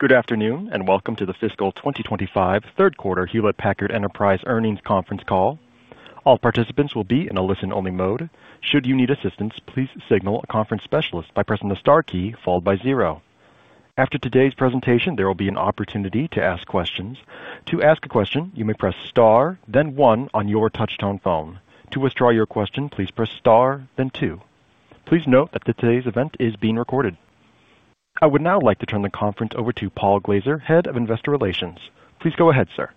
Good afternoon, and welcome to the Fiscal twenty twenty five Third Quarter Hewlett Packard Enterprise Earnings Conference Call. All participants will be in a listen only mode. After today's presentation, there will be an opportunity to ask questions. Please note that today's event is being recorded. I would now like to turn the conference over to Paul Glaser, Head of Investor Relations. Please go ahead, sir.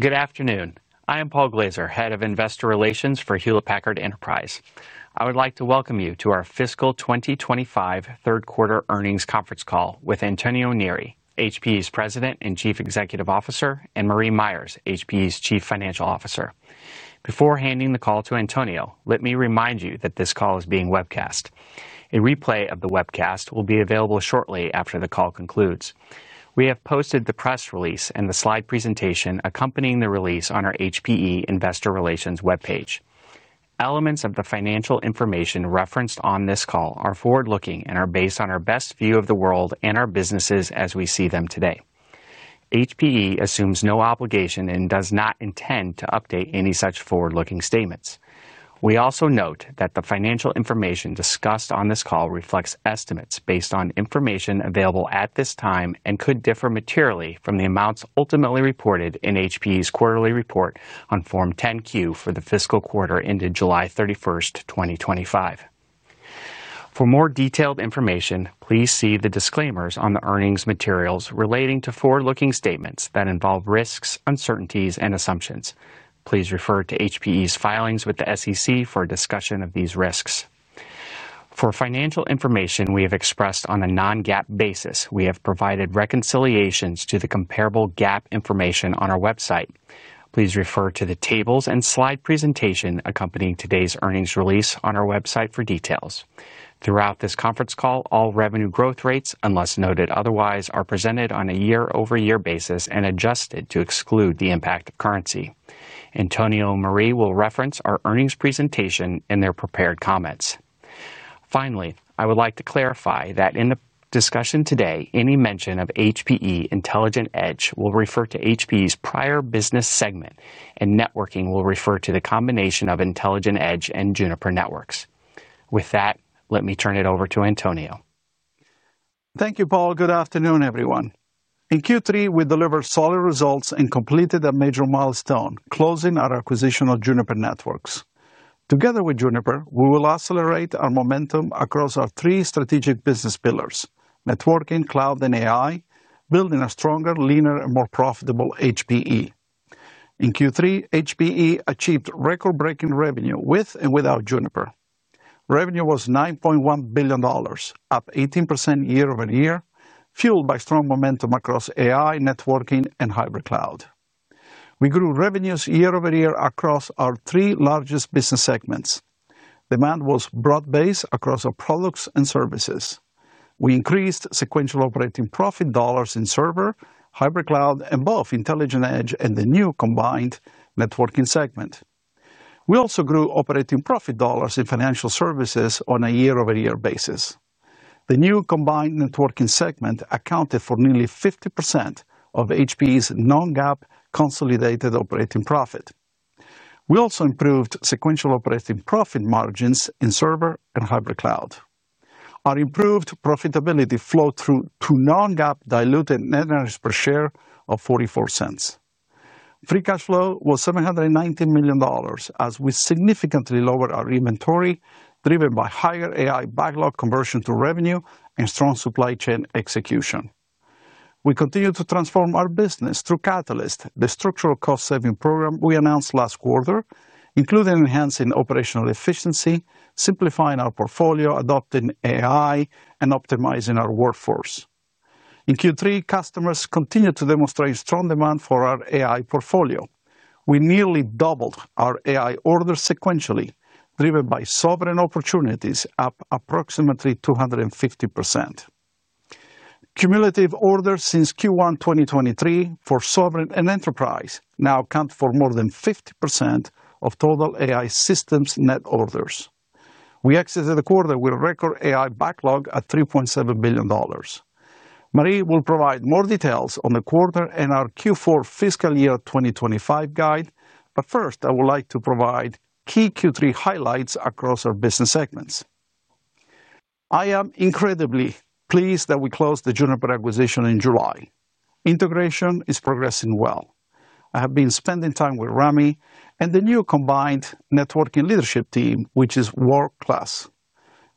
Good afternoon. I am Paul Glaser, Head of Investor Relations for Hewlett Packard Enterprise. I would like to welcome you to our fiscal twenty twenty five third quarter earnings conference call with Antonio Neri, HPE's President and Chief Executive Officer and Marie Myers, HPE's Chief Financial Officer. Before handing the call to Antonio, let me remind you that this call is being webcast. A replay of the webcast will be available shortly after the call concludes. We have posted the press release and the slide presentation accompanying the release on our HPE Investor Relations webpage. Elements of the financial information referenced on this call are forward looking and are based on our best view of the world and our businesses as we see them today. HPE assumes no obligation and does not intend to update any such forward looking statements. We also note that the financial information discussed on this call reflects estimates based on information available at this time and could differ materially from the amounts ultimately reported in HPE's quarterly report on Form 10 Q for the fiscal quarter ended 07/31/2025. For more detailed information, please see the disclaimers on the earnings materials relating to forward looking statements that involve risks, uncertainties and assumptions. Please refer to HPE's filings with the SEC for a discussion of these risks. For financial information we have expressed on a non GAAP basis, we have provided reconciliations to the comparable GAAP information on our website. Please refer to the tables and slide presentation accompanying today's earnings release on our website for details. Throughout this conference call, all revenue growth rates, unless noted otherwise are presented on a year over year basis and adjusted to exclude the impact of currency. Antonio Marie will reference our earnings presentation in their prepared comments. Finally, I would like to clarify that in the discussion today, any mention of HPE Intelligent Edge will refer to HPE's prior business segment and networking will refer to the combination of Intelligent Edge and Juniper Networks. With that, let me turn it over to Antonio. Thank you, Paul. Good afternoon, everyone. In Q3, we delivered solid results and completed a major milestone closing our acquisition of Juniper Networks. Together with Juniper, we will accelerate our momentum across our three strategic business pillars, networking, cloud and AI, building a stronger, leaner and more profitable HPE. In Q3, HPE achieved record breaking revenue with and without Juniper. Revenue was $9,100,000,000 up 18% year over year, fueled by strong momentum across AI, networking and hybrid cloud. We grew revenues year over year across our three largest business segments. Demand was broad based across our products and services. We increased sequential operating profit dollars in server, hybrid cloud and both Intelligent Edge and the new combined networking segment. We also grew operating profit dollars in financial services on a year over year basis. The new combined networking segment accounted for nearly 50% of HPE's non GAAP consolidated operating profit. We also improved sequential operating profit margins in server and hybrid cloud. Our improved profitability flow through to non GAAP diluted net earnings per share of $0.44 Free cash flow was $790,000,000 as we significantly lowered our inventory driven by higher AI backlog conversion to revenue and strong supply chain execution. We continue to transform our business through Catalyst, the structural cost saving program we announced last quarter, including enhancing operational efficiency, simplifying our portfolio, adopting AI and optimizing our workforce. In Q3 customers continue to demonstrate strong demand for our AI portfolio. We nearly doubled our AI orders sequentially driven by sovereign opportunities up approximately 250%. Cumulative orders since Q1 twenty twenty three for sovereign and enterprise now account for more than 50% of total AI systems net orders. We exited the quarter with a record AI backlog at $3,700,000,000 Marie will provide more details on the quarter and our Q4 fiscal year twenty twenty five guide. But first, I would like to provide key Q3 highlights across our business segments. I am incredibly pleased that we closed the Juniper acquisition in July. Integration is progressing well. I have been spending time with Rami and the new combined networking leadership team, which is world class.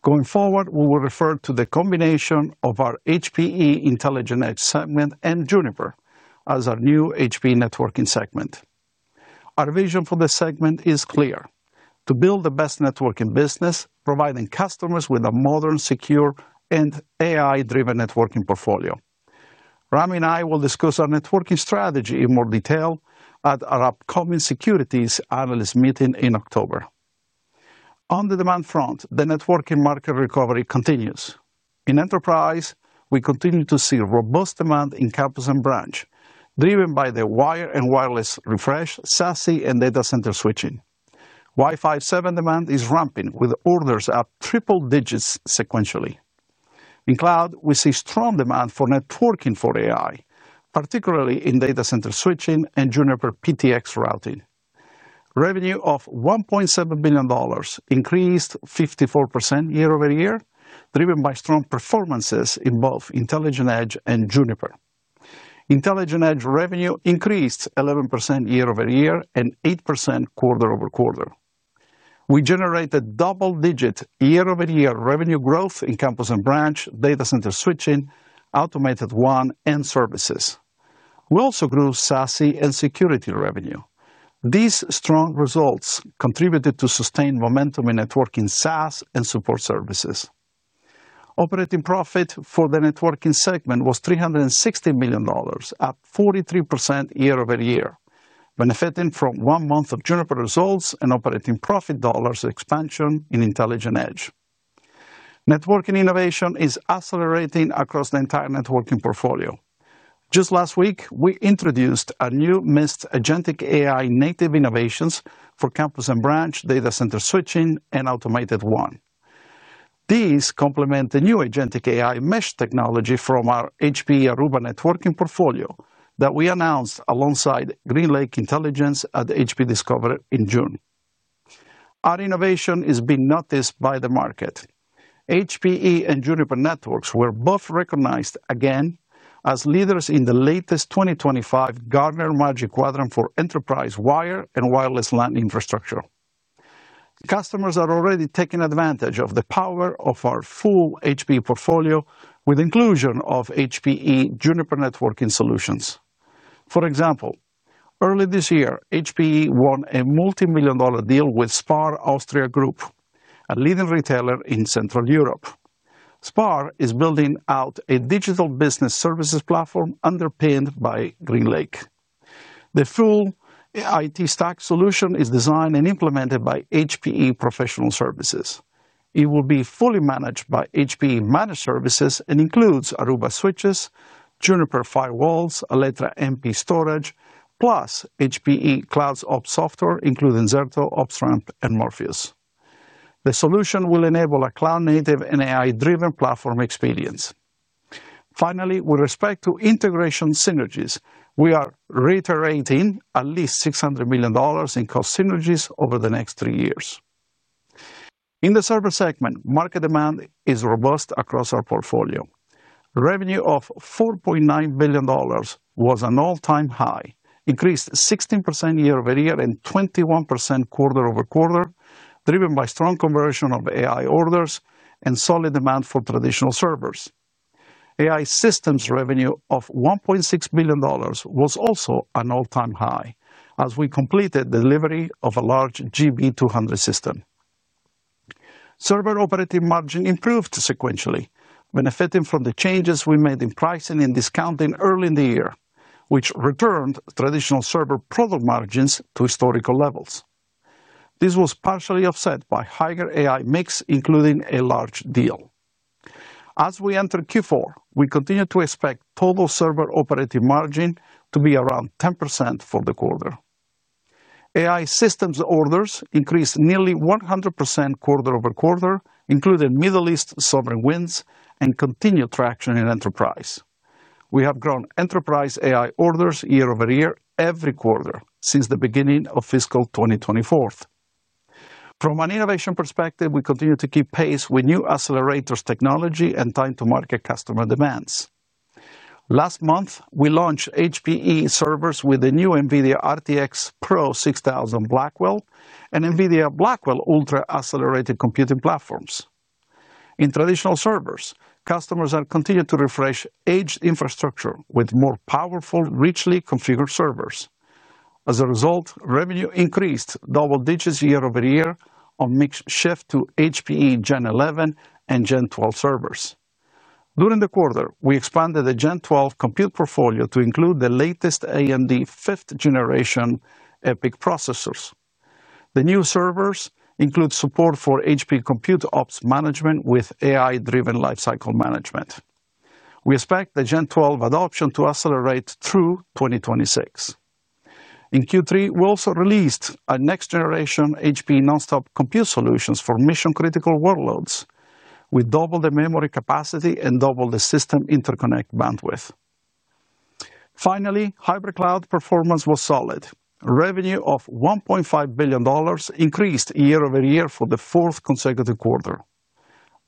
Going forward, we will refer to the combination of our HPE Intelligent Edge segment and Juniper as our new HPE networking segment. Our vision for this segment is clear, to build the best network in business, providing customers with a modern secure and AI driven networking portfolio. Rami and I will discuss our networking strategy in more detail at our upcoming Securities Analyst Meeting in October. On the demand front, the networking market recovery continues. In enterprise, we continue to see robust demand in campus and branch, driven by the wire and wireless refresh, SASE and data center switching. Wi Fi seven demand is ramping with orders up triple digits sequentially. In cloud, we see strong demand for networking for AI, particularly in data center switching and Juniper PTX routing. Revenue of $1,700,000,000 increased 54% year over year, driven by strong performances in both Intelligent Edge and Juniper. Intelligent Edge revenue increased 11% year over year and 8% quarter over quarter. We generated double digit year over year revenue growth in Campus and Branch, data center switching, Automated WAN and services. We also grew SASE and security revenue. These strong results contributed to sustained momentum in networking SaaS and support services. Operating profit for the networking segment was $360,000,000 up 43% year over year, benefiting from one month of Juniper results and operating profit dollars expansion in Intelligent Edge. Networking innovation is accelerating across the entire networking portfolio. Just last week, we introduced a new Mist AgenTeq AI native innovations for campus and branch data center switching and automated one. These complement the new AgenTeq AI mesh technology from our HPE Aruba networking portfolio that we announced alongside GreenLake Intelligence at HPE Discover in June. Our innovation is being noticed by the market. HPE and Juniper Networks were both recognized again as leaders in the latest 2025 Gartner Magic Quadrant for enterprise wire and wireless LAN infrastructure. Customers are already taking advantage of the power of our full HPE portfolio with inclusion of HPE Juniper networking solutions. For example, early this year HPE won a multimillion dollar deal with SPAr Austria Group, a leading retailer in Central Europe. SPAR is building out a digital business services platform underpinned by GreenLake. The full IT stack solution is designed and implemented by HPE Professional Services. It will be fully managed by HPE managed services and includes Aruba switches, Juniper firewalls, Aletra MP storage, plus HPE Cloud's op software including Zerto, OpsRamp and Morpheus. The solution will enable a cloud native and AI driven platform experience. Finally, with respect to integration synergies, we are reiterating at least $600,000,000 in cost synergies over the next three years. In the server segment, market demand is robust across our portfolio. Revenue of $4,900,000,000 was an all time high, increased 16% year over year and 21% quarter over quarter driven by strong conversion of AI orders and solid demand for traditional servers. AI systems revenue of $1,600,000,000 was also an all time high as we completed delivery of a large GB200 system. Server operating margin improved sequentially, benefiting from the changes we made in pricing and discounting early in the year, which returned traditional server product margins to historical levels. This was partially offset by higher AI mix including a large deal. As we enter Q4, we continue to expect total server operating margin to be around 10% for the quarter. AI systems orders increased nearly 100% quarter over quarter including Middle East sovereign wins and continued traction in enterprise. We have grown enterprise AI orders year over year every quarter since the beginning of fiscal twenty twenty four. From an innovation perspective, we continue to keep pace with new accelerators technology and time to market customer demands. Last month, we launched HPE servers with the new NVIDIA RTX Pro 6,000 Blackwell and NVIDIA Blackwell ultra accelerated computing platforms. In traditional servers, customers are continuing to refresh edge infrastructure with more powerful, richly configured servers. As a result, revenue increased double digits year over year on mix shift to HPE Gen11 and Gen12 servers. During the quarter, we expanded the Gen12 compute portfolio to include the latest AMD fifth generation EPYC processors. The new servers include support for HPE Compute Ops Management with AI driven Lifecycle Management. We expect the Gen 12 adoption to accelerate through 2026. In Q3, we also released our next generation HPE nonstop compute solutions for mission critical workloads with double the memory capacity and double the system interconnect bandwidth. Finally, hybrid cloud performance was solid. Revenue of $1,500,000,000 increased year over year for the fourth consecutive quarter.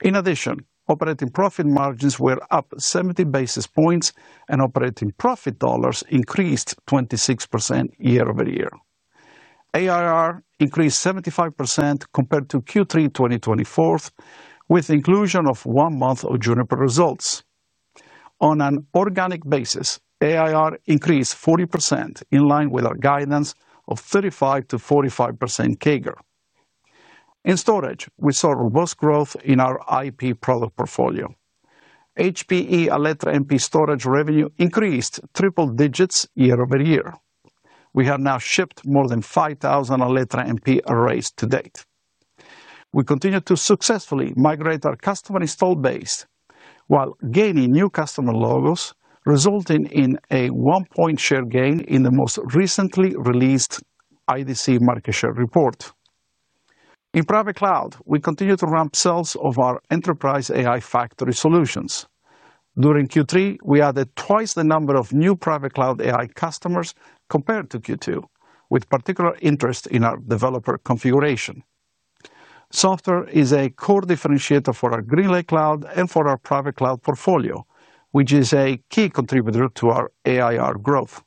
In addition, operating profit margins were up 70 basis points and operating profit dollars increased 26% year over year. AIR increased 75% compared to Q3 twenty twenty four with inclusion of one month of Juniper results. On an organic basis, AIR increased 40% in line with our guidance of 35 to 45% CAGR. In storage, we saw robust growth in our IP product portfolio. HPE Alletra MP storage revenue increased triple digits year over year. We have now shipped more than 5,000 Alletra MP arrays to date. We continue to successfully migrate our customer installed base while gaining new customer logos resulting in a one point share gain in the most recently released IDC market share report. In private cloud, we continue to ramp sales of our enterprise AI factory solutions. During Q3, we added twice the number of new private cloud AI customers compared to Q2 with particular interest in our developer configuration. Software is a core differentiator for our GreenLake cloud and for our private cloud portfolio, which is a key contributor to our AIR growth.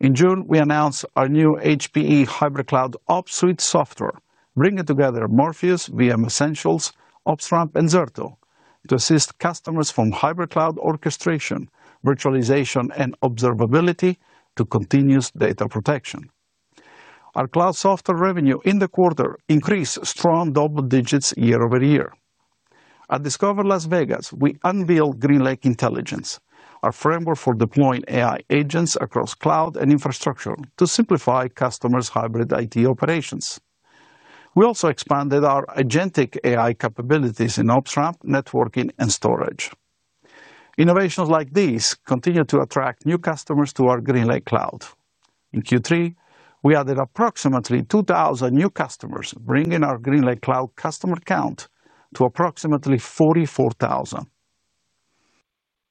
In June, we announced our new HPE hybrid cloud ops suite software bringing together Morpheus, VM Essentials, OpsRamp and Zerto to assist customers from hybrid cloud orchestration, virtualization and observability to continuous data protection. Our cloud software revenue in the quarter increased strong double digits year over year. At Discover Las Vegas, we unveiled GreenLake Intelligence, our framework for deploying AI agents across cloud and infrastructure to simplify customers' hybrid IT operations. We also expanded our agentic AI capabilities in OpsRamp, networking and storage. Innovations like these continue to attract new customers to our GreenLake cloud. In Q3, we added approximately 2,000 new customers bringing our GreenLake cloud customer count to approximately 44,000.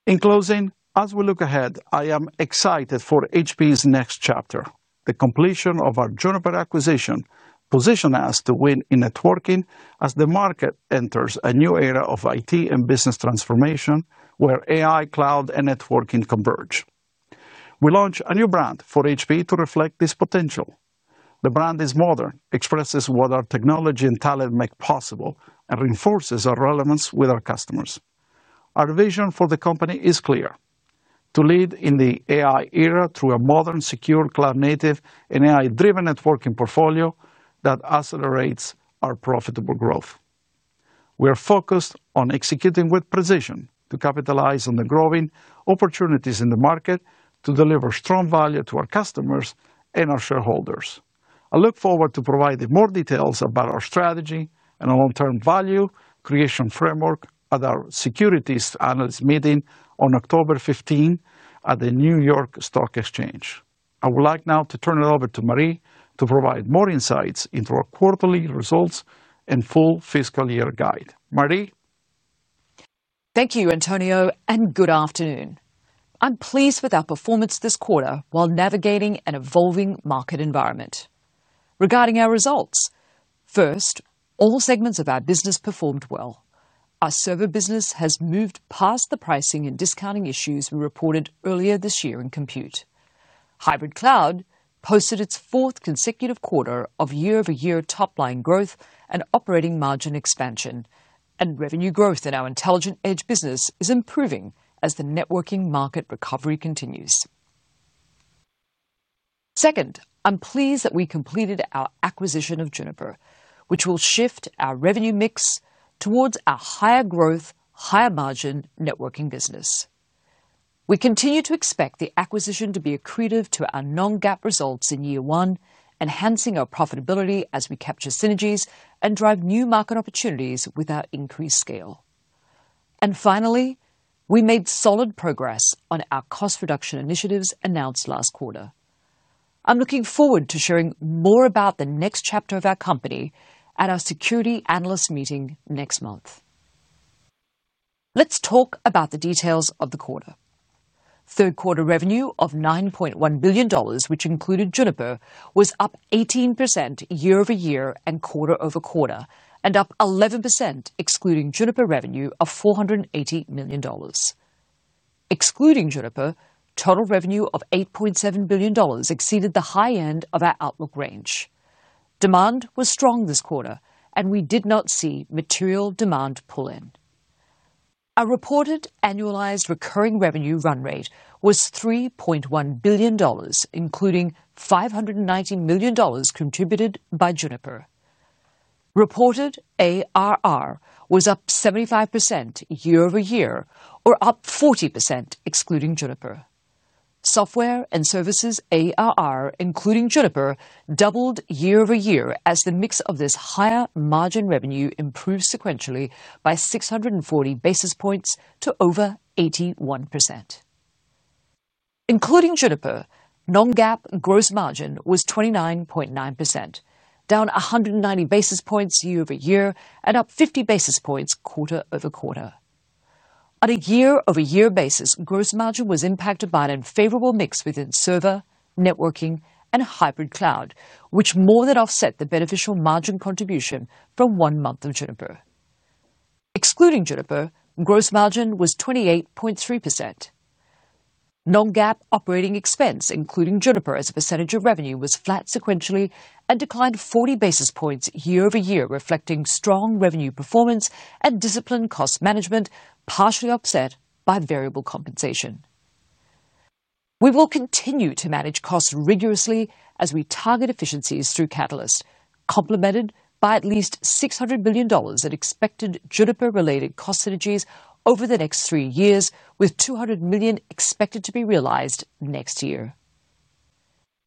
In closing, as we look ahead, I am excited for HPE's next chapter. The completion of our Juniper acquisition position us to win in networking as the market enters a new era of IT and business transformation where AI, cloud and networking converge. We launched a new brand for HPE to reflect this potential. The brand is modern, expresses what our technology and talent make possible and reinforces our relevance with our customers. Our vision for the company is clear, to lead in the AI era through a modern secure cloud native and AI driven networking portfolio that accelerates our profitable growth. We are focused on executing with precision to capitalize on the growing opportunities in the market to deliver strong value to our customers and our shareholders. I look forward to providing more details about our strategy and our long term value creation framework at our Securities Analyst Meeting on October 15 at the New York Stock Exchange. I would like now to turn it over to Marie to provide more insights into our quarterly results and full fiscal year guide. Marie? Thank you, Antonio, and good afternoon. I'm pleased with our performance this quarter while navigating an evolving market environment. Regarding our results, first, all segments of our business performed well. Our server business has moved past the pricing and discounting issues we reported earlier this year in compute. Hybrid cloud posted its fourth consecutive quarter of year over year top line growth and operating margin expansion, and revenue growth in our Intelligent Edge business is improving as the networking market recovery continues. Second, I'm pleased that we completed our acquisition of Juniper, which will shift our revenue mix towards a higher growth, higher margin networking business. We continue to expect the acquisition to be accretive to our non GAAP results in year one, enhancing our profitability as we capture synergies and drive new market opportunities with our increased scale. And finally, we made solid progress on our cost reduction initiatives announced last quarter. I'm looking forward to sharing more about the next chapter of our company at our security analyst meeting next month. Let's talk about the details of the quarter. Third quarter revenue of $9,100,000,000 which included Juniper was up 18% year over year and quarter over quarter and up 11% excluding Juniper revenue of $480,000,000. Excluding Juniper, total revenue of $8,700,000,000 exceeded the high end of our outlook range. Demand was strong this quarter, and we did not see material demand pull in. Our reported annualized recurring revenue run rate was $3,100,000,000 including $519,000,000 contributed by Juniper. Reported ARR was up 75% year over year or up 40% excluding Juniper. Software and services ARR, including Juniper, doubled year over year as the mix of this higher margin revenue improved sequentially by six forty basis points to over 81%. Including Juniper, non GAAP gross margin was 29.9%, down 190 basis points year over year and up 50 basis points quarter over quarter. On a year over year basis, gross margin was impacted by an unfavorable mix within server, networking and hybrid cloud, which more than offset the beneficial margin contribution from one month of Juniper. Excluding Juniper, gross margin was 28.3%. Non GAAP operating expense, including Juniper as a percentage of revenue, flat sequentially and declined 40 basis points year over year, reflecting strong revenue performance and disciplined cost management, partially offset by variable compensation. We will continue to manage costs rigorously as we target efficiencies through Catalyst, complemented by at least $600,000,000,000 in expected Juniper related cost synergies over the next three years with $200,000,000 expected to be realized next year.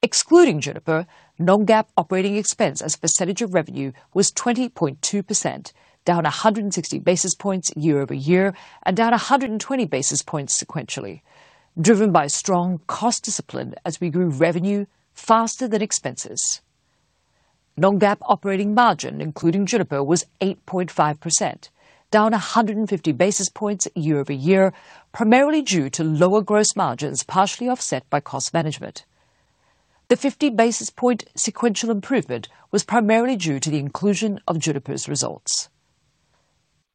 Excluding Juniper, non GAAP operating expense as a percentage of revenue was 20.2%, down 160 basis points year over year and down 120 basis points sequentially, driven by strong cost discipline as we grew revenue faster than expenses. Non GAAP operating margin, including Juniper, was 8.5%, down 150 basis points year over year, primarily due to lower gross margins partially offset by cost management. The 50 basis point sequential improvement was primarily due to the inclusion of Juniper's results.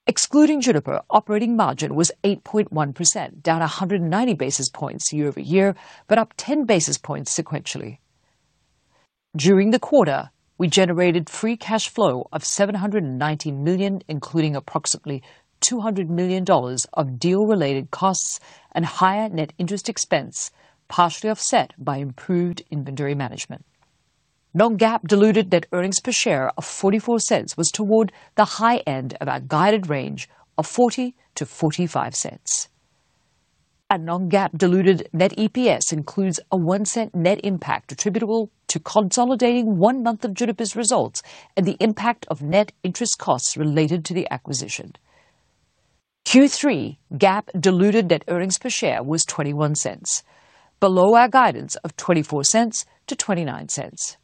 Excluding Juniper, operating margin was 8.1, down 190 basis points year over year, but up 10 basis points sequentially. During the quarter, we generated free cash flow of $719,000,000 including approximately $200,000,000 of deal related costs and higher net interest expense, partially offset by improved inventory management. Non GAAP diluted net earnings per share of $0.44 was toward the high end of our guided range of $0.40 to $0.45 Our non GAAP diluted net EPS includes a $01 net impact attributable to consolidating one month of Juniper's results and the impact of net interest costs related to the acquisition. Q3 GAAP diluted net earnings per share was $0.21 below our guidance of $0.24 to $0.29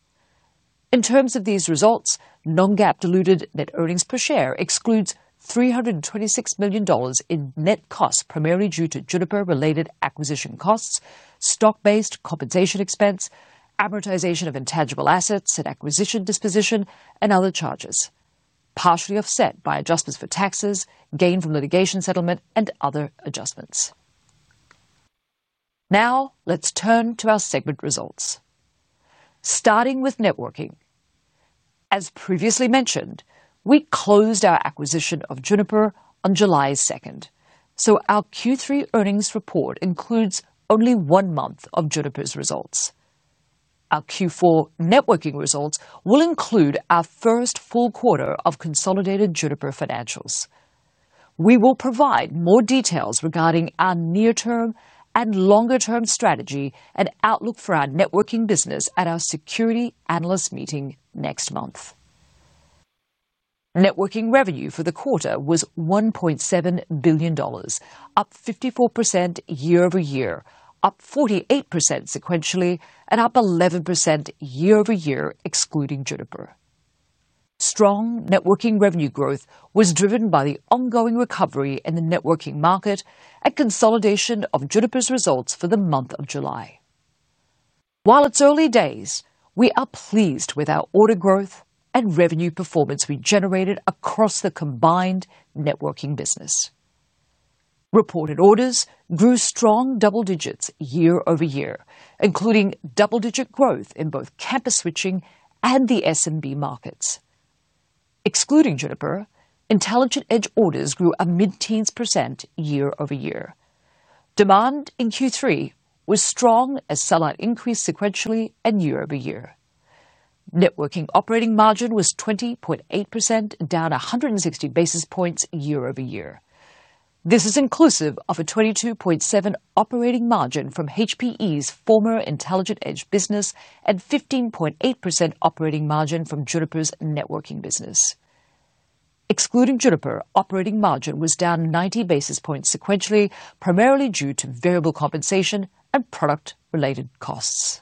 In terms of these results, non GAAP diluted net earnings per share excludes $326,000,000 in net costs primarily due to Juniper related acquisition costs, stock based compensation expense, amortization of intangible assets and acquisition disposition and other charges, partially offset by adjustments for taxes, gain from litigation settlement and other adjustments. Now let's turn to our segment results. Starting with networking. As previously mentioned, we closed our acquisition of Juniper on July 2, so our Q3 earnings report includes only one month of Juniper's results. Our Q4 networking results will include our first full quarter of consolidated Juniper financials. We will provide more details regarding our near term and longer term strategy and outlook for our networking business at our Security Analyst Meeting next month. Networking revenue for the quarter was $1,700,000,000 up 54% year over year, up 48% sequentially and up 11% year over year excluding Juniper. Strong networking revenue growth was driven by the ongoing recovery in the networking market and consolidation of Juniper's results for the month of July. While it's early days, we are pleased with our order growth and revenue performance we generated across the combined networking business. Reported orders grew strong double digits year over year, including double digit growth in both campus switching and the SMB markets. Excluding Juniper, Intelligent Edge orders grew a mid teens percent year over year. Demand in Q3 was strong as sellout increased sequentially and year over year. Networking operating margin was 20.8, down 160 basis points year over year. This is inclusive of a 22.7% operating margin from HPE's former Intelligent Edge business and 15.8% operating margin from Juniper's networking business. Excluding Juniper, operating margin was down 90 basis points sequentially, primarily due to variable compensation and product related costs.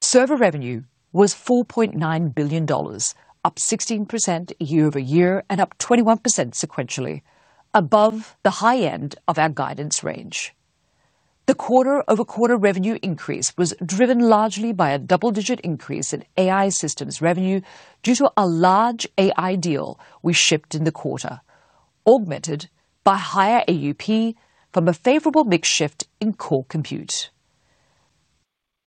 Server revenue was $4,900,000,000 up 16% year over year and up 21% sequentially, above the high end of our guidance range. The quarter over quarter revenue increase was driven largely by a double digit increase in AI systems revenue due to a large AI deal we shipped in the quarter, augmented by higher AUP from a favorable mix shift in core compute.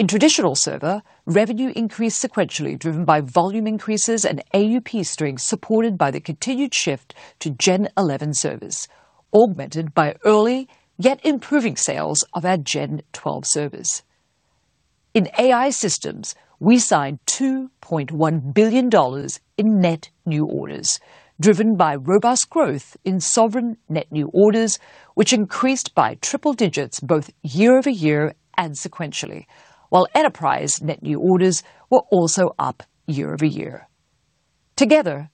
In traditional server, revenue increased sequentially driven by volume increases and AUP strings supported by the continued shift to Gen 11 servers, augmented by early yet improving sales of our Gen 12 servers. In AI systems, we signed $2,100,000,000 in net new orders, driven by robust growth in sovereign net new orders, which increased by triple digits both year over year and sequentially, while enterprise net new orders were also up year over year. Together,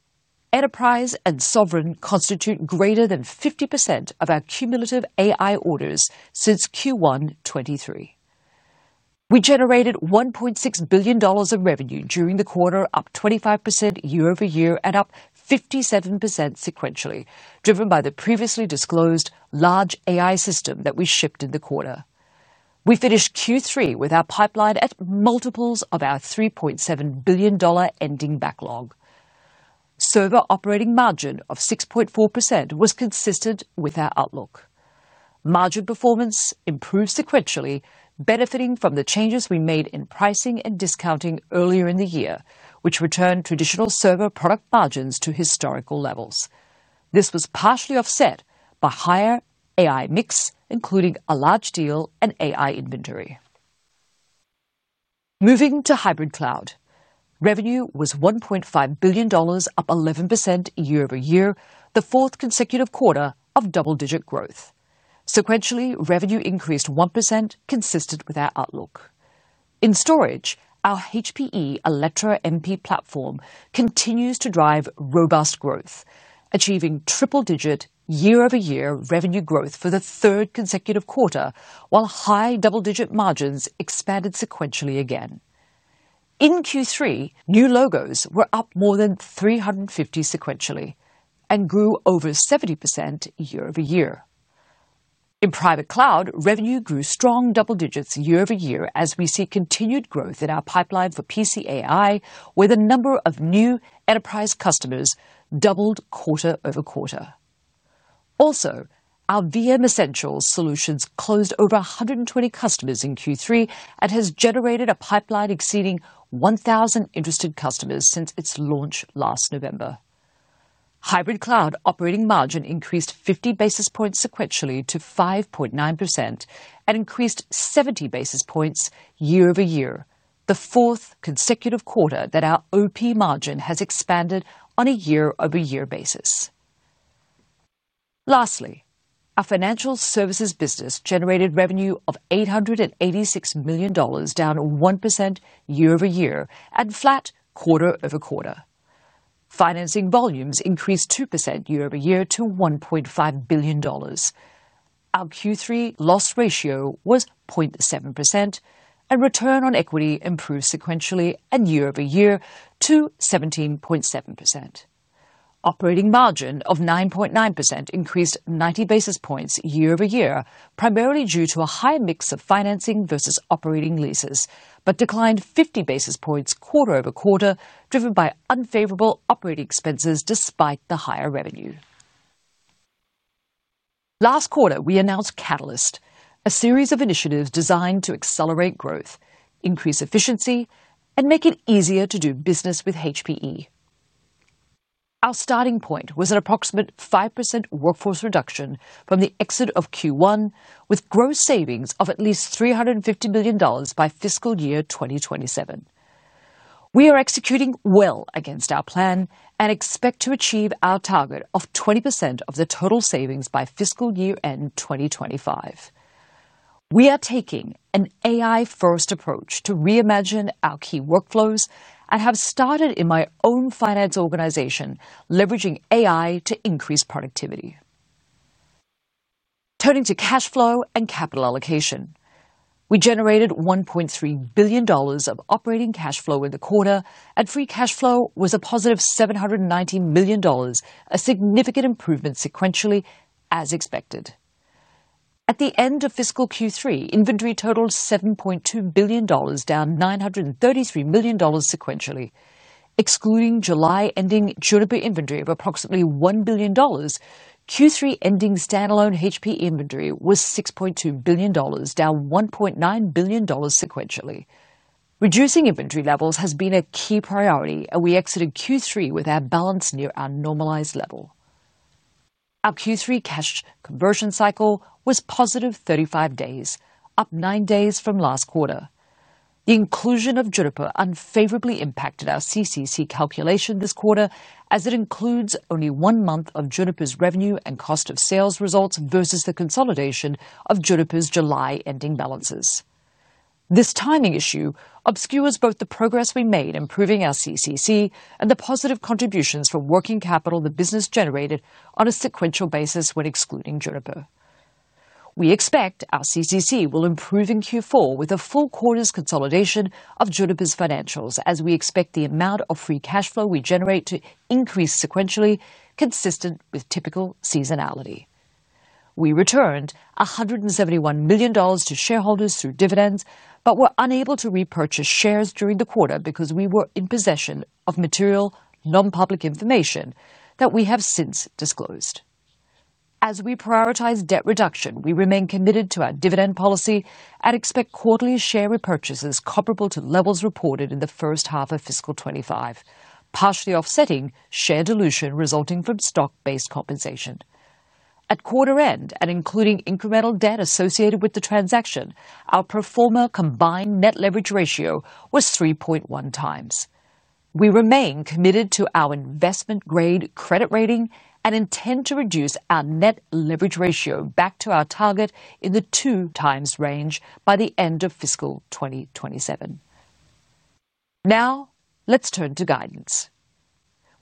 enterprise and sovereign constitute greater than 50% of our cumulative AI orders since q one twenty three. We generated $1,600,000,000 of revenue during the quarter, up 25% year over year and up 57% sequentially, driven by the previously disclosed large AI system that we shipped in the quarter. We finished Q3 with our pipeline at multiples of our $3,700,000,000 ending backlog. Server operating margin of 6.4% was consistent with our outlook. Margin performance improved sequentially benefiting from the changes we made in pricing and discounting earlier in the year, which returned traditional server product margins to historical levels. This was partially offset by higher AI mix, including a large deal and AI inventory. Moving to hybrid cloud. Revenue was $1,500,000,000 up 11% year over year, the fourth consecutive quarter of double digit growth. Sequentially, revenue increased 1% consistent with our outlook. In storage, our HPE Eletra MP platform continues to drive robust growth, achieving triple digit year over year revenue growth for the third consecutive quarter, while high double digit margins expanded sequentially again. In Q3, new logos were up more than three fifty sequentially and grew over 70% year over year. In private cloud, revenue grew strong double digits year over year as we see continued growth in our pipeline for PCAI with a number of new enterprise customers doubled quarter over quarter. Also, our VM Essentials solutions closed over a 120 customers in q three and has generated a pipeline exceeding 1,000 interested customers since its launch last November. Hybrid cloud operating margin increased 50 basis points sequentially to 5.9% and increased 70 basis points year over year, the fourth consecutive quarter that our OP margin has expanded on a year over year basis. Lastly, our financial services business generated revenue of $886,000,000 down 1% year over year and flat quarter over quarter. Financing volumes increased two percent year over year to $1,500,000,000 Our Q3 loss ratio was 0.7%, and return on equity improved sequentially and year over year to 17.7%. Operating margin of 9.9% increased 90 basis points year over year, primarily due to a higher mix of financing versus operating leases, but declined 50 basis points quarter over quarter driven by unfavorable operating expenses despite the higher revenue. Last quarter, we announced Catalyst, a series of initiatives designed to accelerate growth, increase efficiency and make it easier to do business with HPE. Our starting point was an approximate 5% workforce reduction from the exit of Q1 with gross savings of at least $350,000,000 by fiscal year twenty twenty seven. We are executing well against our plan and expect to achieve our target of 20% of the total savings by fiscal year end twenty twenty five. We are taking an AI first approach to reimagine our key workflows. I have started in my own finance organization leveraging AI to increase productivity. Turning to cash flow and capital allocation. We generated $1,300,000,000 of operating cash flow in the quarter, and free cash flow was a positive $790,000,000 a significant improvement sequentially as expected. At the end of fiscal Q3, inventory totaled $7,200,000,000 down $933,000,000 sequentially. Excluding July ending Juniper inventory of approximately $1,000,000,000 Q3 ending standalone HP inventory was $6,200,000,000 down $1,900,000,000 sequentially. Reducing inventory levels has been a key priority, and we exited Q3 with our balance near our normalized level. Our Q3 cash conversion cycle was positive thirty five days, up nine days from last quarter. The inclusion of Juniper unfavorably impacted our CCC calculation this quarter as it includes only one month of Juniper's revenue and cost of sales results versus the consolidation of Juniper's July ending balances. This timing issue obscures both the progress we made improving our CCC and the positive contributions from working capital the business generated on a sequential basis when excluding Juniper. We expect our CCC will improve in Q4 with a full quarter's consolidation of Juniper's financials as we expect the amount of free cash flow we generate to increase sequentially consistent with typical seasonality. We returned $171,000,000 to shareholders through dividends, but were unable to repurchase shares during the quarter because we were in possession of material non public information that we have since disclosed. As we prioritize debt reduction, we remain committed to our dividend policy and expect quarterly share repurchases comparable to levels reported in the 2025, partially offsetting share dilution resulting from stock based compensation. At quarter end and including incremental debt associated with the transaction, our pro form a combined net leverage ratio was 3.1 times. We remain committed to our investment grade credit rating and intend to reduce our net leverage ratio back to our target in the two times range by the 2027. Now let's turn to guidance.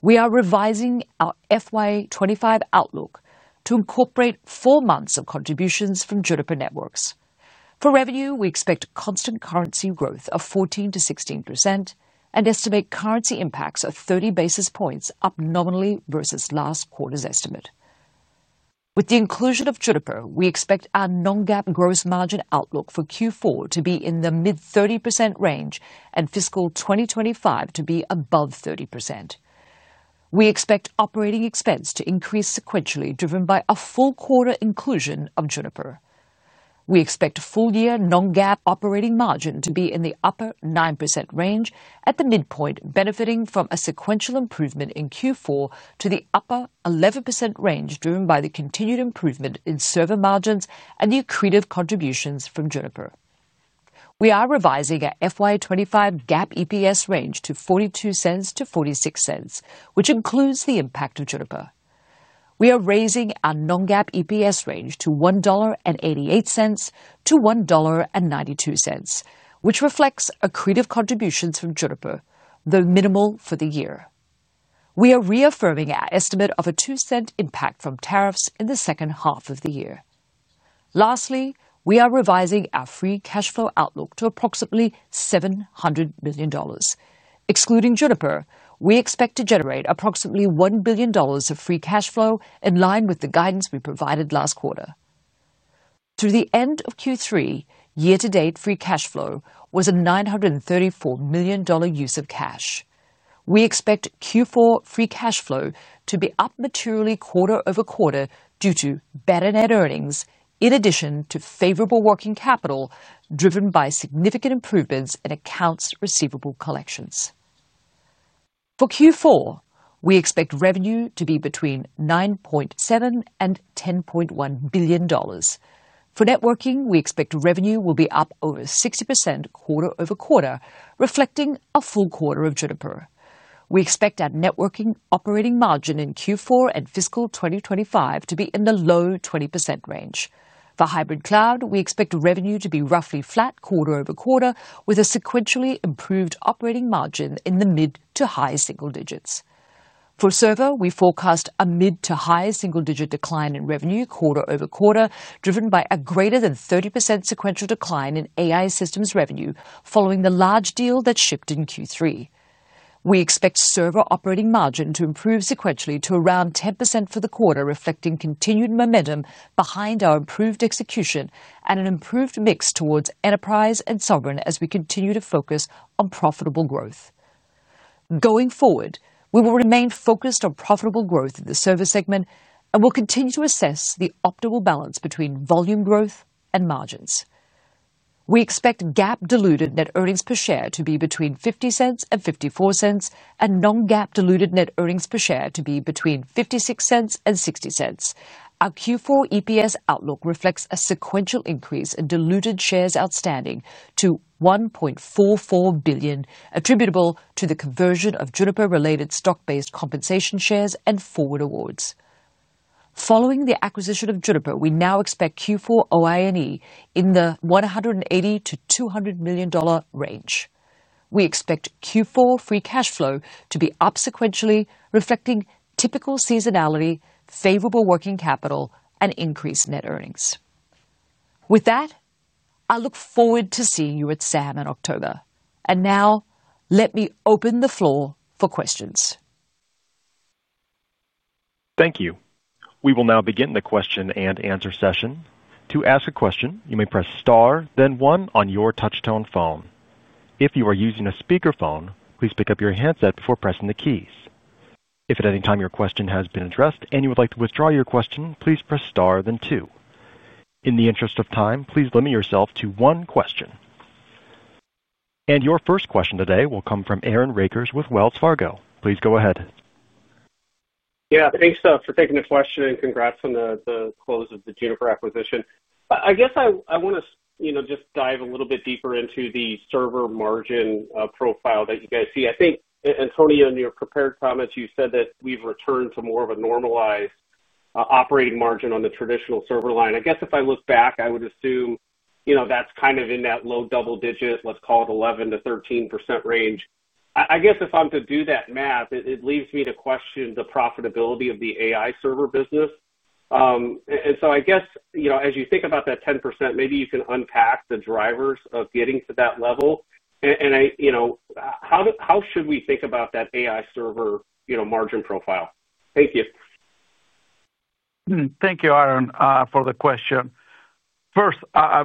We are revising our FY 2025 outlook to incorporate four months of contributions from Juniper Networks. For revenue, we expect constant currency growth of 14% to 16% and estimate currency impacts of 30 basis points up nominally versus last quarter's estimate. With the inclusion of Chudapur, we expect our non GAAP gross margin outlook for Q4 to be in the mid-thirty percent range and fiscal twenty twenty five to be above 30%. We expect operating expense to increase sequentially driven by a full quarter inclusion of Juniper. We expect full year non GAAP operating margin to be in the upper 9% range at the midpoint benefiting from a sequential improvement in Q4 to the upper 11% range driven by the continued improvement in server margins and the accretive contributions from Juniper. We are revising our FY twenty twenty five GAAP EPS range to $0.42 to $0.46 which includes the impact of Juniper. We are raising our non GAAP EPS range to $1.88 to $1.92 which reflects accretive contributions from Juniper, though minimal for the year. We are reaffirming our estimate of a $02 impact from tariffs in the second half of the year. Lastly, we are revising our free cash flow outlook to approximately $700,000,000 Excluding Juniper, we expect to generate approximately $1,000,000,000 of free cash flow in line with the guidance we provided last quarter. Through the end of Q3, year to date free cash flow was a $934,000,000 use of cash. We expect Q4 free cash flow to be up materially quarter over quarter due to better net earnings in addition to favorable working capital driven by significant improvements in accounts receivable collections. For Q4, we expect revenue to be between $9,700,000,000 and $10,100,000,000 For networking, we expect revenue will be up over 60% quarter over quarter, reflecting a full quarter of Juniper. We expect our networking operating margin in Q4 and fiscal twenty twenty five to be in the low 20% range. For hybrid cloud, we expect revenue to be roughly flat quarter over quarter with a sequentially improved operating margin in the mid to high single digits. For server, we forecast a mid to high single digit decline in revenue quarter over quarter driven by a greater than 30% sequential decline in AI systems revenue following the large deal that shipped in Q3. We expect server operating margin to improve sequentially to around 10% for the quarter reflecting continued momentum behind our improved execution and an improved mix towards enterprise and sovereign as we continue to focus on profitable growth. Going forward, we will remain focused on profitable growth in the service segment, and we'll continue to assess the optimal balance between volume growth and margins. We expect GAAP diluted net earnings per share to be between $0.50 and zero five four dollars and non GAAP diluted net earnings per share to be between $0.56 and $0.60 Our Q4 EPS outlook reflects a sequential increase in diluted shares outstanding to $1,440,000,000 attributable to the conversion of Juniper related stock based compensation shares and forward awards. Following the acquisition of Juniper, we now expect Q4 OI and E in the 180,000,000 to $200,000,000 range. We expect Q4 free cash flow to be up sequentially, reflecting typical seasonality, favorable working capital and increased net earnings. With that, I look forward to seeing you at SAM in October. And now let me open the floor for questions. Thank you. We will now begin the question and answer session. And your first question today will come from Aaron Rakers with Wells Fargo. Please go ahead. Yes. Thanks for taking the question and congrats on the close of the Juniper acquisition. I guess I want to just dive a little bit deeper into the server margin profile that you guys see. I think, Antonio, in your prepared comments, you said that we've returned to more of a normalized operating margin on the traditional server line. I guess if I look back, I would assume that's kind of in that low double digit, let's call it, 11% to 13% range. I guess if I'm to do that math, it leaves me to question the profitability of the AI server business. And so I guess as you think about that 10%, maybe you can unpack the drivers of getting to that level. And how should we think about that AI server margin profile? Thank you. Thank you, Aaron for the question. First,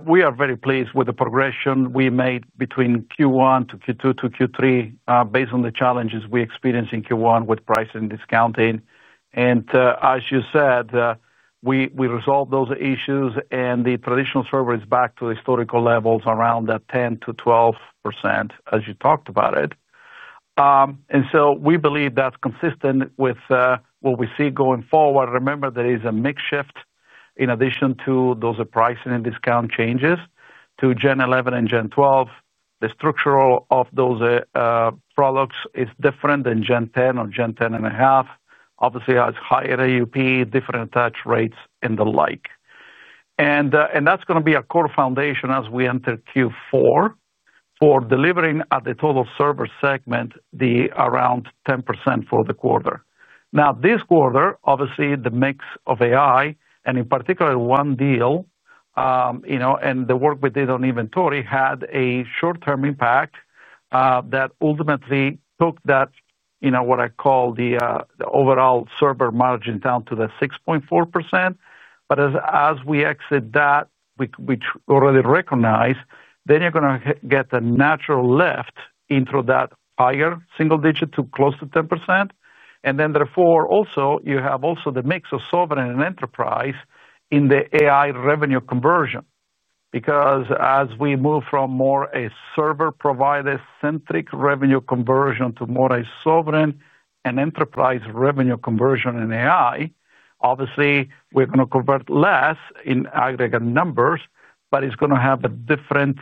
we are very pleased with the progression we made between Q1 to Q2 to Q3 based on the challenges we experienced in Q1 with price and discounting. And as you said, we resolved those issues and the traditional server is back to historical levels around that 10% to 12% as you talked about it. And so we believe that's consistent with what we see going forward. Remember there is a mix shift in addition to those pricing and discount changes to Gen 11 and Gen 12. The structural of those products is different than Gen 10 or Gen 10.5 obviously has higher AUP, different attach rates and the like. And that's going to be a core foundation as we enter Q4 for delivering at the total server segment the around 10% for the quarter. Now this quarter, obviously the mix of AI and in particular one deal and the work we did on inventory had a short term impact that ultimately took that what I call the overall server margin down to the 6.4%. But as we exit that, which already recognized, then you're going to get the natural lift into that higher single digit to close to 10%. And then therefore also you have also the mix of sovereign and enterprise in the AI revenue conversion, because as we move from more a server provider centric revenue conversion to more a sovereign and enterprise revenue conversion in AI, obviously we're going to convert less in aggregate numbers, but it's going to have a different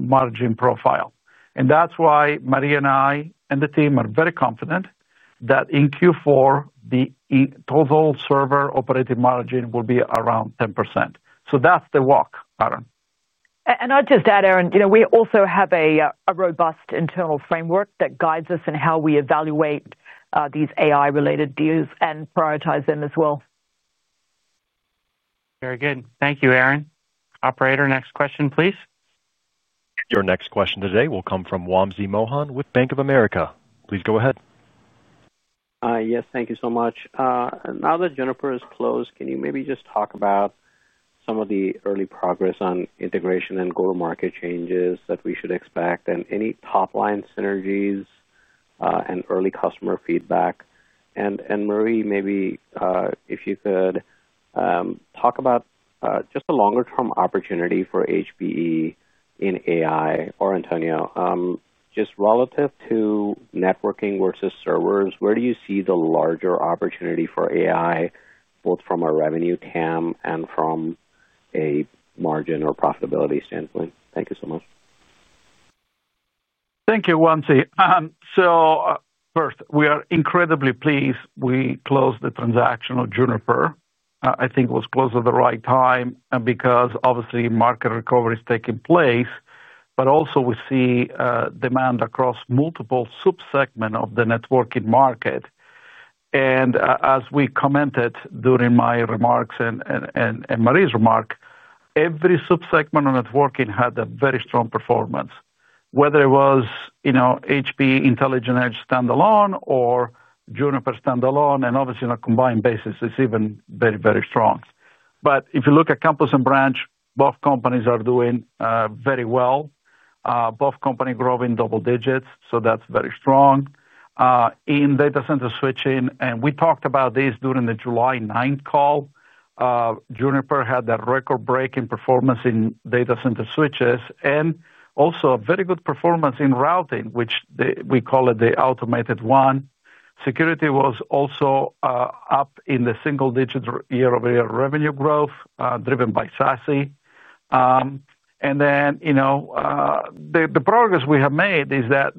margin profile. And that's why Maria and I and the team are very confident that in Q4 the total server operating margin will be around 10%. So that's the walk, Aaron. And I'll just add Aaron, we also have a robust internal framework that guides us and how we evaluate these AI related deals and prioritize them as well. Very good. Thank you, Aaron. Operator, next question please. Your next question today will come from Wamsi Mohan with Bank of America. Please go ahead. Yes. Thank you so much. Now that Juniper is closed, can you maybe just talk about some of the early progress on integration and go to market changes that we should expect? And any top line synergies and early customer feedback? And Marie, maybe if you could talk about just the longer term opportunity for HPE in AI or Antonio, just relative to networking versus servers, where do you see the larger opportunity for AI, both from a revenue TAM and from a margin or profitability standpoint? Thank you so much. Thank you, Wamsi. So first, we are incredibly pleased we closed the transaction of Juniper. I think it was close at the right time because obviously market recovery is taking place, but also we see demand across multiple sub segment of the networking market. And as we commented during my remarks and Marie's remark, every sub segment on networking had a very strong performance, whether it was HP Intelligent Edge standalone or Juniper standalone and obviously on a combined basis, it's even very, very strong. But if you look at Compass and Branch, both companies are doing very well. Both company growing double digits, so that's very strong. In data center switching and we talked about this during the July 9 call, Juniper had that record breaking performance in data center switches and also a very good performance in routing, which we call it the automated one. Security was also up in the single digits year over year revenue growth driven by SASE. And then the progress we have made is that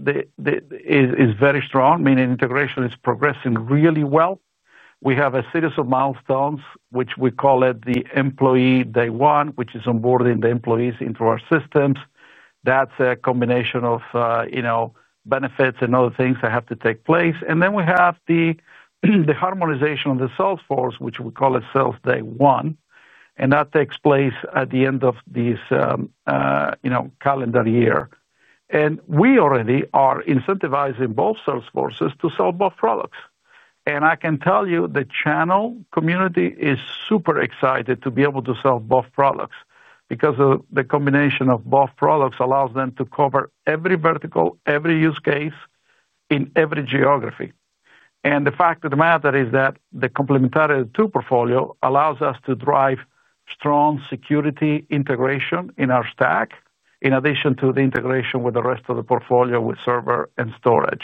is very strong, meaning integration is progressing really well. We have a series of milestones, which we call it the employee day one, which is on boarding the employees into our systems. That's a combination of benefits and other things that have to take place. And then we have the harmonization of the sales force, which we call it sales day one and that takes place at the end of this calendar year. And we already are incentivizing both sales forces to sell both products. And I can tell you the channel community is super excited to be able to sell both products because of the combination of both products allows them to cover every vertical, every use case in every geography. And the fact of the matter is that the complementary to portfolio allows us to drive strong security integration in our stack in addition to the integration with the rest of the portfolio with server and storage.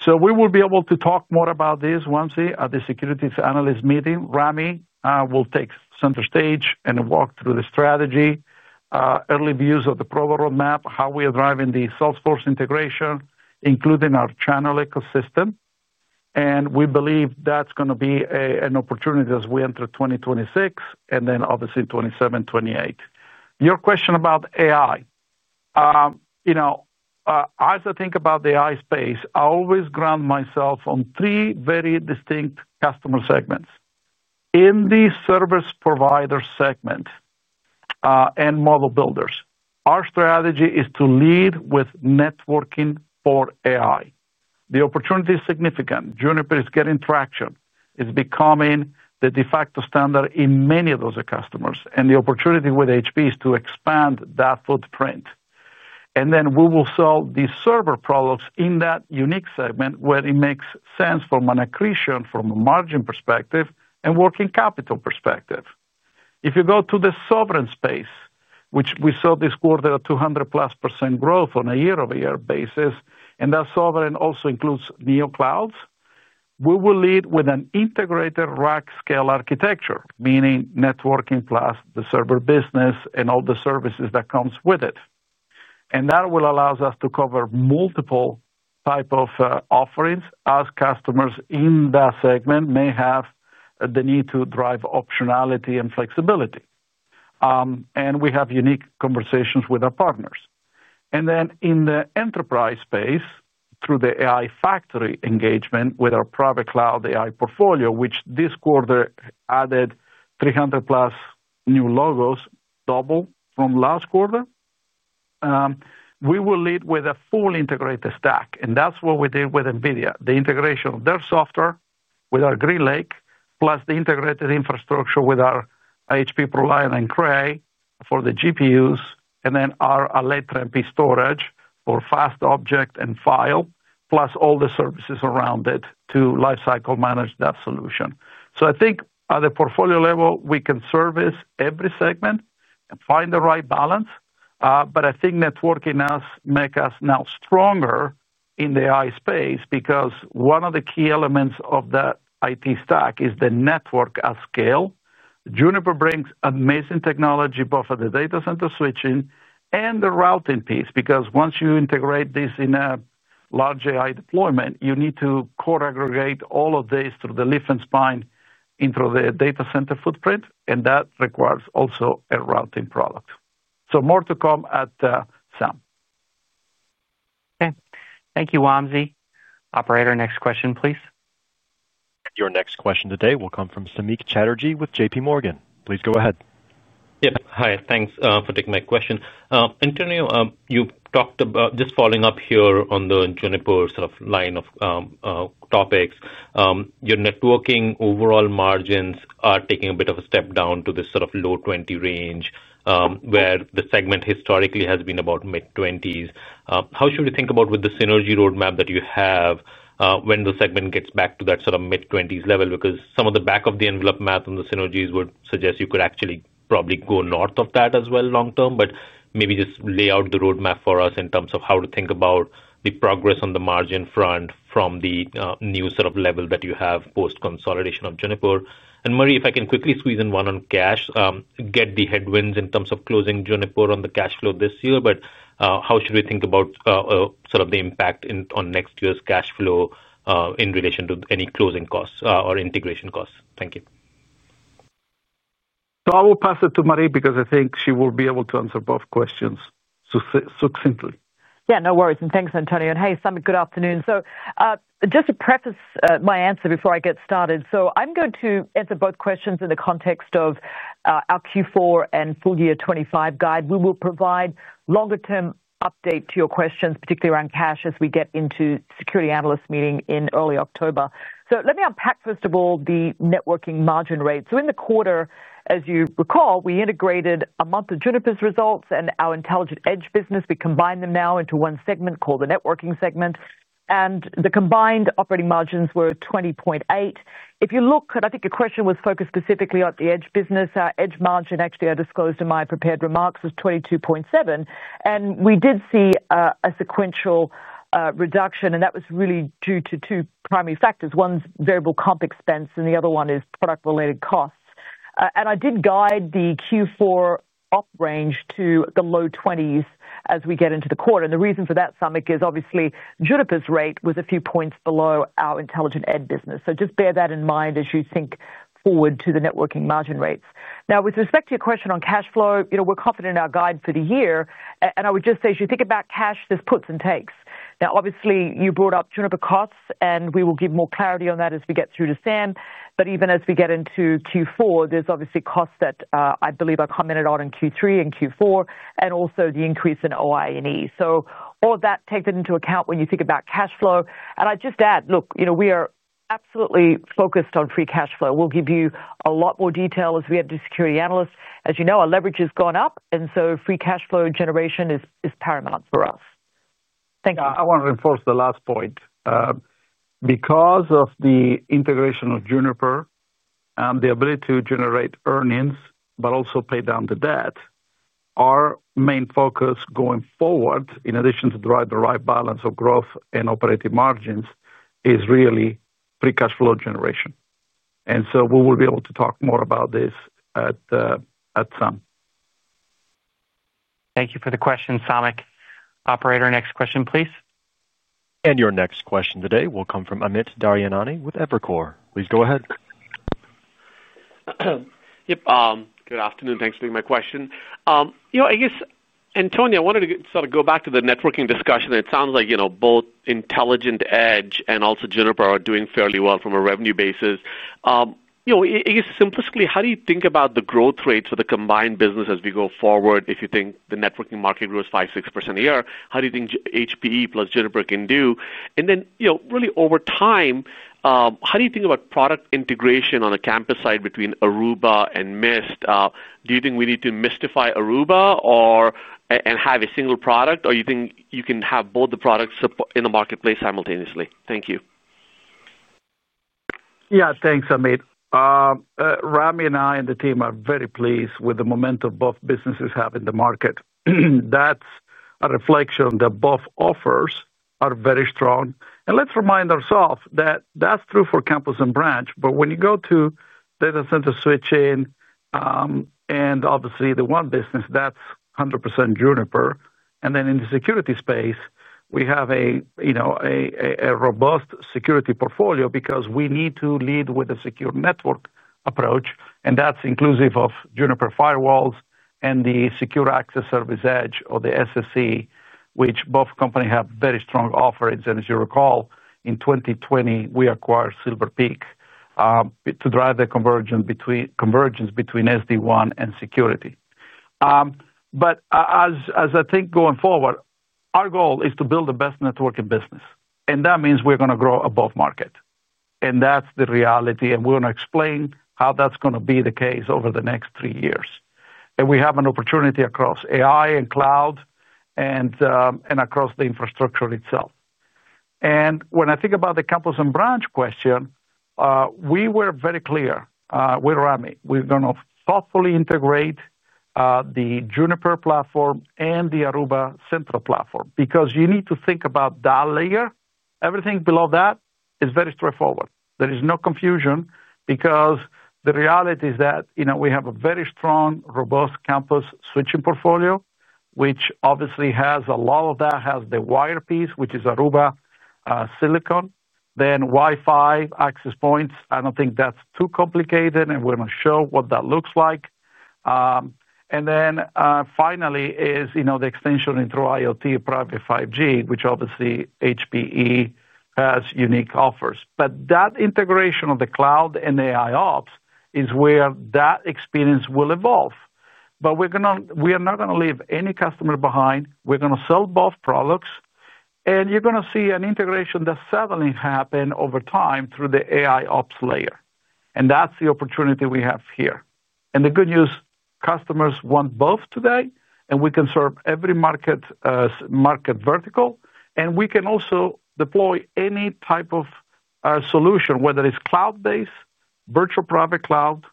So we will be able to talk more about this once we have the Securities Analyst Meeting. Rami will take center stage and walk through the strategy, early views of the proverb roadmap, how we are driving the Salesforce integration, including our channel ecosystem. And we believe that's going to be an opportunity as we enter '6 and then obviously 2027, 2028. Your question about AI, as I think about the AI space, I always ground myself on three very distinct customer segments. In the service provider segment and model builders, our strategy is to lead with networking for AI. The opportunity is significant. Juniper is getting traction. It's becoming the de facto standard in many of those customers and the opportunity with HP is to expand that footprint. And then we will sell the server products in that unique segment where it makes sense from an accretion from a margin perspective and working capital perspective. If you go to the sovereign space, which we saw this quarter 200 plus percent growth on a year over year basis and that sovereign also includes Neo Clouds. We will lead with an integrated rack scale architecture, meaning networking plus the server business and all the services that comes with it. And that will allow us to cover multiple type of offerings as customers in that segment may have the need to drive optionality and flexibility. And we have unique conversations with our partners. And then in the enterprise space through the AI factory engagement with our private cloud AI portfolio, which this quarter added 300 plus new logos double from last quarter. We will lead with a full integrated stack and that's what we did with NVIDIA. The integration of their software with our GreenLake plus the integrated infrastructure with our HP ProLiant and Cray for the GPUs and then our Alletra MP storage or fast object and file plus all the services around it to lifecycle manage that solution. So I think at the portfolio level, we can service every segment and find the right balance. But I think networking us make us now stronger in the AI space because one of the key elements of that IT stack is the network at scale. Juniper brings amazing technology both for the data center switching and the routing piece, because once you integrate this in a large AI deployment, you need to core aggregate all of these through the leaf and spine into the data center footprint and that requires also a routing product. So more to come at SAM. Okay. Thank you, Wamsi. Operator, next question please. Your next question today will come from Samik Chatterjee with JPMorgan. Please go ahead. Yes. Hi, thanks for taking my question. Antonio, you talked about just following up here on the Juniper sort of line of topics. Your networking overall margins are taking a bit of a step down to the sort of low-twenty range, where the segment historically has been about mid-20s. How should we think about with the synergy road map that you have when the segment gets back to that sort of mid-20s level? Because some of the back of the envelope math on the synergies would suggest you could actually probably go north of that as well long term. But maybe just lay out the road map for us in terms of how to think about the progress on the margin front from the new sort of level that you have post consolidation of Juniper. And Marie, if I can quickly squeeze in one on cash, get the headwinds in terms of closing Juniper on the cash flow this year, but how should we think about sort of the impact on next year's cash flow in relation to any closing costs or integration costs? Thank you. So I will pass it to Marie because I think she will be able to answer both questions succinctly. Yes, no worries. And thanks Antonio. Hey Sami, good afternoon. So just to preface my answer before I get started. So I'm going to answer both questions in the context of our Q4 and full year '25 guide. We will provide longer term update to your questions, particularly around cash as we get into security analyst meeting in early October. So let me unpack first of all the networking margin rate. So in the quarter, as you recall, we integrated a month of Juniper's results and our intelligent edge business. We combine them now into one segment called the networking segment, and the combined operating margins were 20.8. If you look and I think your question was focused specifically at the edge business. Our edge margin, actually, I disclosed in my prepared remarks, was 22.7. And we did see sequential reduction, and that was really due to two primary factors. One's variable comp expense, and the other one is product related costs. And I did guide the Q4 op range to the low twenties as we get into the quarter. And the reason for that, Samik, is obviously Juniper's rate was a few points below our intelligent ed business. So just bear that in mind as you think forward to the networking margin rates. Now with respect to your question on cash flow, you know, we're confident in our guide for the year. And I would just say, as you think about cash, there's puts and takes. Obviously, you brought up Juniper costs, and we will give more clarity on that as we get through to Sam, but even as we get into Q4, there's obviously costs that I believe are commented on in Q3 and Q4, and also the increase in OI and E. So all of that takes into account when you think about cash flow. And I'd just add, look, we are absolutely focused on free cash flow. We'll give you a lot more detail as we head to security analysts. As you know, our leverage has gone up and so free cash flow generation is paramount for us. Thanks. I want to reinforce the last point. Because of the integration of Juniper, and the ability to generate earnings, but also pay down the debt. Our main focus going forward in addition to drive the right balance of growth and operating margins is really free cash flow generation. And so we will be able to talk more about this at some. Thank you for the question, Samik. Operator, next question please. And your next question today will come from Amit Daryanani with Evercore. Please go ahead. Yes. Good afternoon. Thanks for taking my question. I guess, Antonio, wanted to sort of go back to the networking discussion. It sounds like both Intelligent Edge and also Juniper are doing fairly well from a revenue basis. Guess simplistically, do you think about the growth rates for the combined business as we go forward, if you think the networking market grows 56% a year? How do you think HPE plus Juniper can do? And really over time, how do you think about product integration on the campus side between Aruba and Mist? Do you think we need to Mystify Aruba or and have a single product or you think you can have both the products in the marketplace simultaneously? Thank you. Yes. Thanks Amit. Rami and I and the team are very pleased with the momentum both businesses have in the market. That's a reflection that both offers are very strong. And let's remind ourselves that that's true for campus and branch. But when you go to data center switching and obviously the one business that's 100% Juniper. And then in the security space, we have a robust security portfolio because we need to lead with a secure network approach and that's inclusive of Juniper firewalls and the secure access service edge or the SSC, which both company have very strong offerings. And as you recall in 2020, we acquired Silver Peak to drive the convergence between SD WAN and security. But as I think going forward, our goal is to build the best network in business. And that means we're going to grow above market. And that's the reality. And we're going to explain how that's going to be the case over the next three years. And we have an opportunity across AI and cloud and across the infrastructure itself. And when I think about the Campos and Branch question, we were very clear with Rami. We're going to thoughtfully integrate the Juniper platform and the Aruba Central platform, because you need to think about that layer, everything below that is very straightforward. There is no confusion because the reality is that we have a very strong robust campus switching portfolio, which obviously has a lot of that has the wire piece, which is Aruba silicon, then Wi Fi access points. I don't think that's too complicated and we're going to show what that looks like. And then finally is the extension into IoT private five gs, which obviously HPE has unique offers. But that integration of the cloud and AI ops is where that experience will evolve. But we're not going to leave any customer behind. We're going to sell both products and you're going to see an integration that suddenly happen over time through the AI ops layer. And that's the opportunity we have here. And the good news customers want both today and we can serve every market vertical and we can also deploy any type of solution whether it's cloud based, virtual private cloud,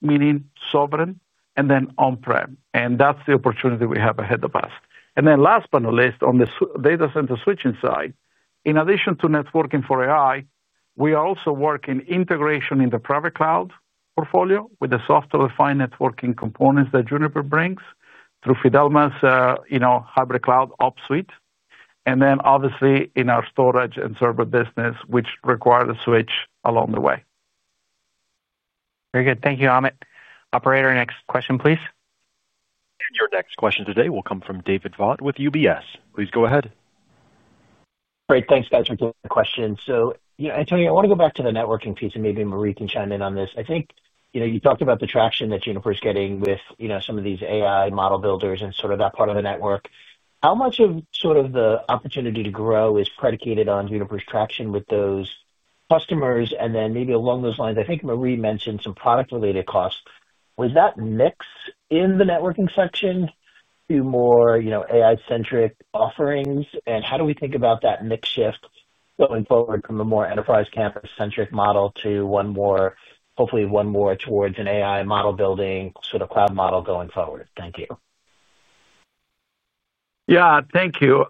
meaning sovereign and then on prem. And that's the opportunity we have ahead of us. And then last but not least on the data center switching side, in addition to networking for AI, we are also working integration in the private cloud portfolio with the software defined networking components that Juniper brings through Fidelma's hybrid cloud ops suite. And then obviously in our storage and server business, which require the switch along the way. Very good. Thank you, Amit. Operator, next question please. And your next question today will come from David Vaught with UBS. Please go ahead. Great. Thanks guys for taking the question. So, Antonio, I want go back to the networking piece and maybe Marie can chime in on this. I think you talked about the traction that Juniper is getting with some of these AI model builders and sort of that part of the network. How much of sort of the opportunity to grow is predicated on Juniper's traction with those customers? And then maybe along those lines, I think Marie mentioned some product related costs. Was that mix in the networking section to more AI centric offerings? And how do we think about that mix shift going forward from a more enterprise campus centric model to one more hopefully one more towards an AI model building sort of cloud model going forward? Thank you. Yes. Thank you.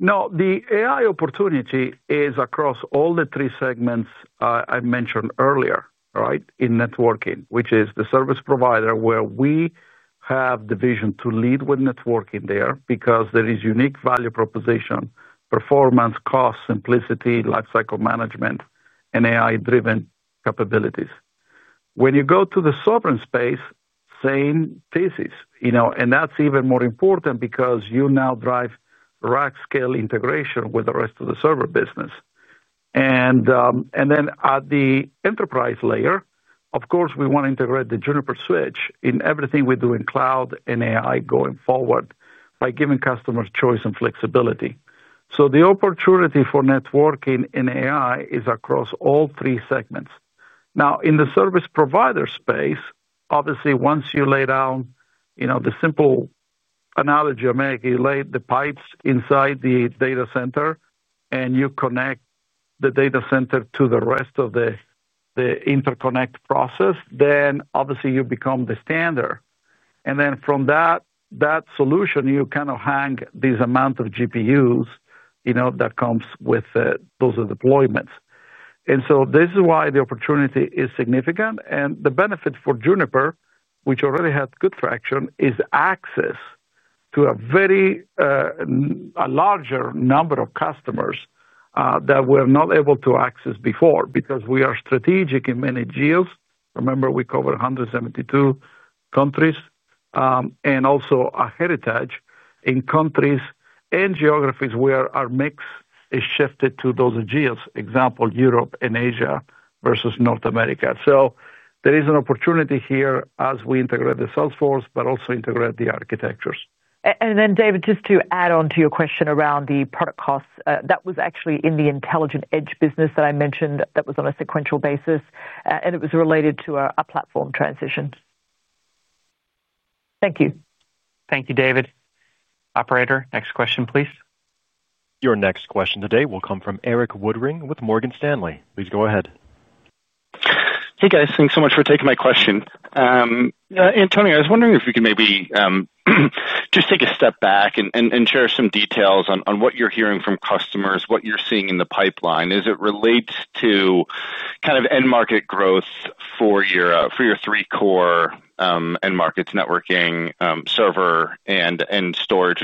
No, the AI opportunity is across all the three segments I mentioned earlier, right, in networking, which is the service provider where we have the vision to lead with networking there because there is unique value proposition, performance, cost, simplicity, lifecycle management and AI driven capabilities. When you go to the sovereign space, same thesis and that's even more important because you now drive rack scale integration with the rest of the server business. And then at the enterprise layer, of course, want to integrate the Juniper switch in everything we do in cloud and AI going forward by giving customers choice and flexibility. So the opportunity for networking in AI is across all three segments. Now in the service provider space, obviously once you lay down the simple analogy I made, you laid the pipes inside the data center and you connect the data center to the rest of the interconnect process, then obviously you become the standard. And then from that solution you kind of hang these amount of GPUs that comes with those deployments. And so this is why the opportunity is significant and the benefit for Juniper, which already had good traction is access to a very a larger number of customers that were not able to access before, because we are strategic in many deals. Remember, we cover 172 countries and also our heritage in countries and geographies where our mix is shifted to those yields, example Europe and Asia versus North America. So there is an opportunity here as we integrate the sales force, but also integrate the architectures. And then David, to add on to your question around the product costs that was actually in the Intelligent Edge business that I mentioned that was on a sequential basis and it was related to a platform transition. Thank you. Thank you, David. Operator, next question please. Your next question today will come from Eric Woodring with Morgan Stanley. Please go ahead. Hey guys, thanks so much for taking my question. Antonio, was wondering if you could maybe just take a step back and share some details on what you're hearing from customers, what you're seeing in the pipeline as it relates to kind of end market growth for your three core end markets networking, server and storage.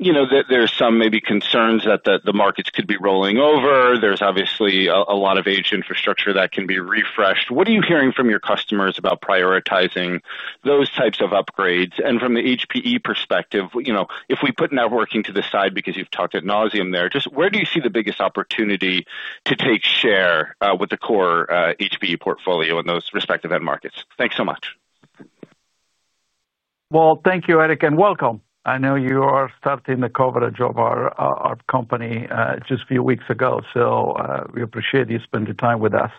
And really what I'm trying to understand is, there's some maybe concerns that the markets could be rolling over. There's obviously a lot of age infrastructure that can be refreshed. What are you hearing from your customers about prioritizing those types of upgrades? And from the HPE perspective, if we put networking to the side because you've talked ad nauseam there, just where do you see the biggest opportunity to take share with the core HPE portfolio in those respective end markets? Thanks so much. Well, thank you, Eric and welcome. I know you are starting the coverage of our company just few weeks ago. So we appreciate you spending time with us.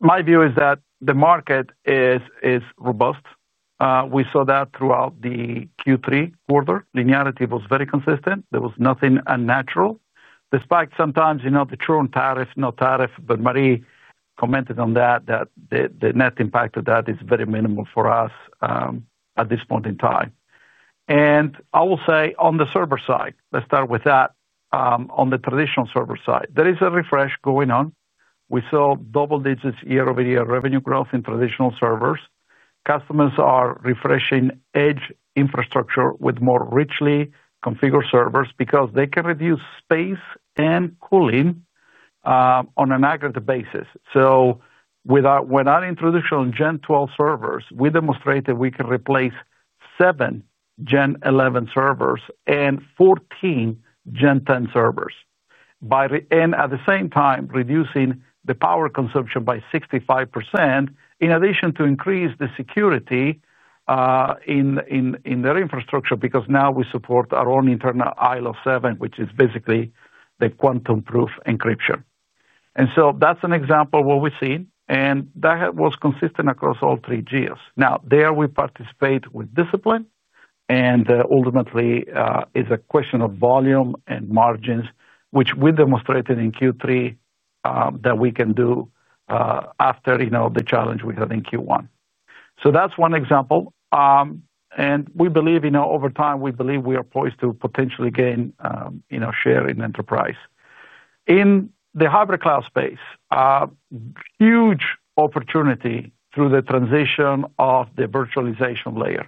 My view is that the market is robust. We saw that throughout the Q3 order linearity was very consistent. There was nothing unnatural despite sometimes the true on tariffs, no tariffs, but Marie commented on that, that the net impact of that is very minimal for us at this point in time. And I will say on the server side, let's start with that. On the traditional server side, there is a refresh going on. We saw double digits year over year revenue growth in traditional servers. Customers are refreshing edge infrastructure with more richly configured servers because they can reduce space and cooling on an aggregate basis. So without when our introduction on Gen 12 servers, we demonstrated we can replace seven Gen 11 servers and 14 Gen 10 servers. And at the same time reducing the power consumption by 65% in addition to increase the security in their infrastructure, because now we support our own internal Isle of seven, which is basically the quantum proof encryption. And so that's an example of what we've seen and that was consistent across all three geos. Now, there we participate with discipline and ultimately is a question of volume and margins, which we demonstrated in Q3 that we can do after the challenge we had in Q1. So that's one example. We believe over time, we believe we are poised to potentially gain share in enterprise. In the hybrid cloud space, huge opportunity through the transition of the virtualization layer.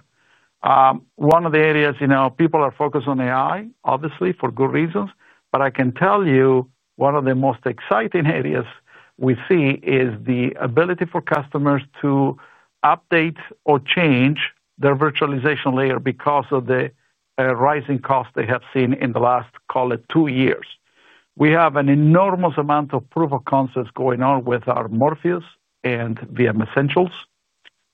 One of the areas, people are focused on AI obviously for good reasons, but I can tell you one of the most exciting areas we see is the ability for customers to update or change their virtualization layer because of the rising costs they have seen in the last call it two years. We have an enormous amount of proof of concepts going on with our Morpheus and VM Essentials.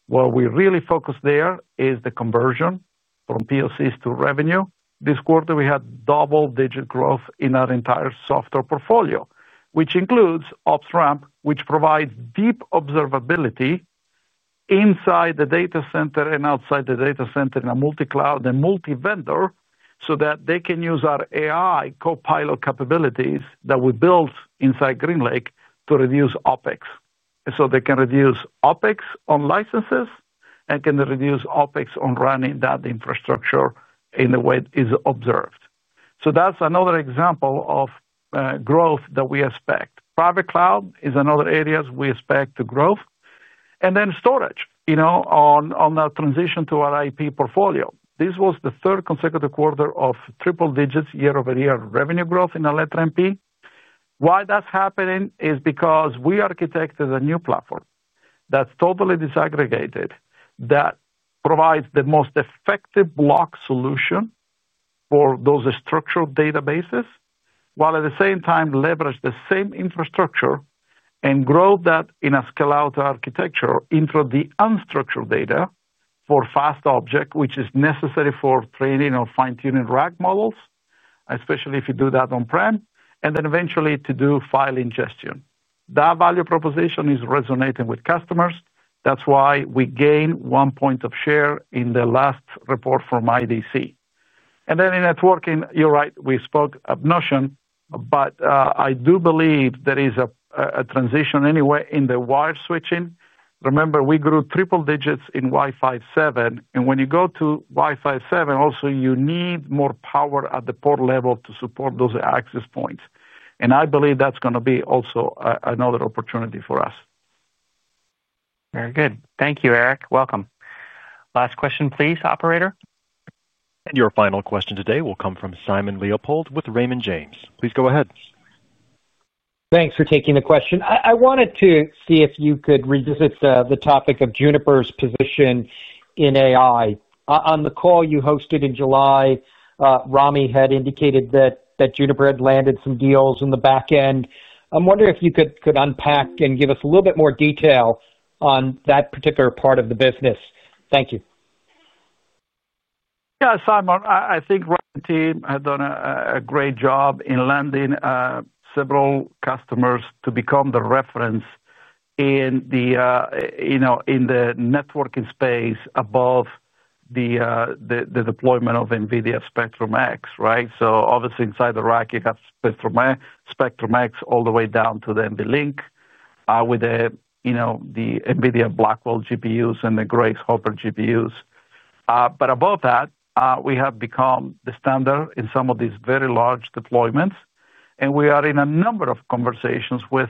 What we really focus there is the conversion from POCs to revenue. This quarter we had double digit growth in our entire software portfolio, which includes OpsRamp, which provides deep observability inside the data center and outside the data center in a multi cloud and multi vendor, so that they can use our AI co pilot capabilities that we built inside GreenLake to reduce OpEx. So they can reduce OpEx on licenses and can reduce OpEx on running that infrastructure in the way it is observed. So that's another example of growth that we expect. Private cloud is another areas we expect to grow. And then storage, on our transition to our IP portfolio, This was the third consecutive quarter of triple digits year over year revenue growth in AlletraMP. Why that's happening is because we architected a new platform that's totally disaggregated that provides the most effective block solution for those structural databases, while at the same time leverage the same infrastructure and grow that in a scale out architecture into the unstructured data for fast object, which is necessary for training or fine tuning rack models, especially if you do that on prem and then eventually to do file ingestion. That value proposition is resonating with customers. That's why we gain one point of share in the last report from IDC. And then in networking, you're right, we spoke of Notion, but I do believe there is a transition anyway in the wire switching. Remember, we grew triple digits in Wi Fi seven. And when you go to Wi Fi seven also you need more power at the port level to support those access points. And I believe that's going to be also another opportunity for us. Very good. Thank you, Eric. Welcome. Last question please, operator. And your final question today will come from Simon Leopold with Raymond James. Please go ahead. Thanks for taking the question. I wanted to see if you could revisit the topic of Juniper's position in AI. On the call you hosted in July, Rami had indicated that Juniper had landed some deals in the back end. I'm wondering if you could unpack and give us a little bit more detail on that particular part of the business. Thank you. Yes, Simon. I think Rob and team have done a great job in lending several customers to become the reference in the networking space above the deployment of NVIDIA Spectrum X, right. So obviously inside the rack you have Spectrum X all the way down to the NBLINK with the NVIDIA Blackwell GPUs and the Grace Hopper GPUs. But above that, we have become the standard in some of these very large deployments. And we are in a number of conversations with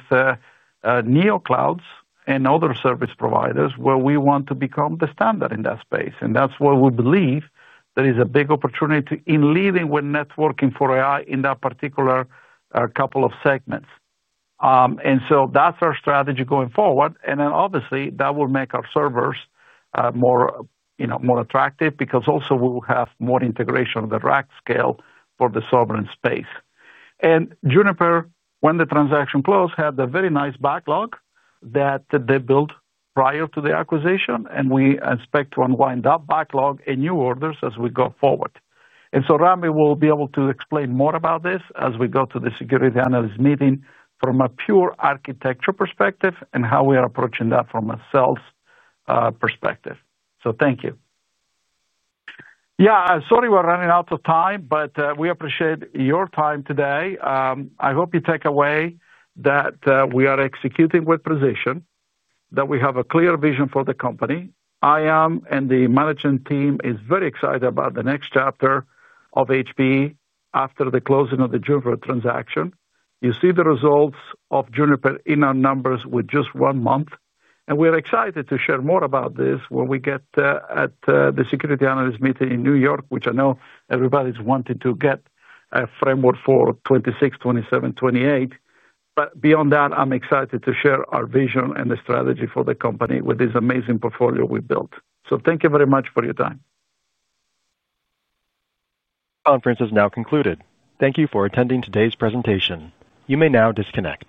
Neo Clouds and other service providers where we want to become the standard in that space. And that's why we believe there is a big opportunity in leading with networking for AI in that particular couple of segments. And so that's our strategy going forward. And then obviously that will make our servers more attractive because also we will have more integration of the rack scale for the sovereign space. And Juniper when the transaction closed had a very nice backlog that they built prior to the acquisition and we expect to unwind that backlog in new orders as we go forward. And so Rami will be able to explain more about this as we go to the security analyst meeting from a pure architecture perspective and how we are approaching that from a sales perspective. So thank you. Yes, sorry, we're running out of time, but we appreciate your time today. I hope you take away that we are executing with precision that we have a clear vision for the company. I'm and the management team is very excited about the next chapter of HPE after the closing of the Juniper transaction. You see the results of Juniper in our numbers with just one month. And we're excited to share more about this when we get at the Security Analyst Meeting in New York, which I know everybody is wanting to get a framework for 2026, 2027, '28. But beyond that, I'm excited to share our vision and the strategy for the company with this amazing portfolio we've built. So thank you very much for your time. Conference is now concluded. Thank you for attending today's presentation. You may now disconnect.